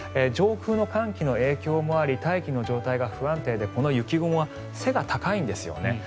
上空の寒気の影響もあり大気の状態が不安定でこの雪雲は背が高いんですよね。